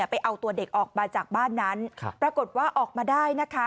ไปเอาตัวเด็กออกมาจากบ้านนั้นปรากฏว่าออกมาได้นะคะ